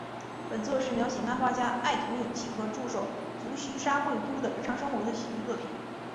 本作是描写漫画家爱徒勇气和助手足须沙穗都的日常生活的喜剧作品。